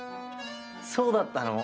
そうだったの？